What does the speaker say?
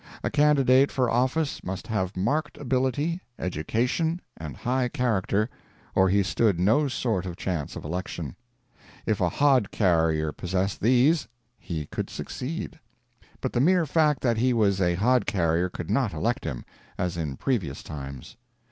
A candidate for office must have marked ability, education, and high character, or he stood no sort of chance of election. If a hod carrier possessed these, he could succeed; but the mere fact that he was a hod carrier could not elect him, as in previous times.